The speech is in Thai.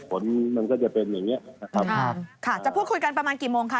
ผลมันก็จะเป็นอย่างเงี้ยนะครับค่ะจะพูดคุยกันประมาณกี่โมงค่ะ